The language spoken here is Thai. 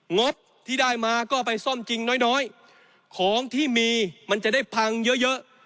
งบที่ได้มาก็ไปซ่อมจริงน้อยน้อยของที่มีมันจะได้พังเยอะเยอะ